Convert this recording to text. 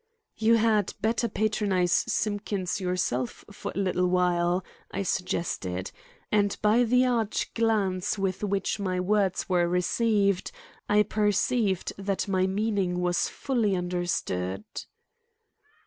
"You had better patronize Simpkins yourself for a little while," I suggested; and by the arch glance with which my words were received, I perceived that my meaning was fully understood.